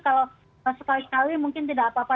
kalau sekali kali mungkin tidak apa apa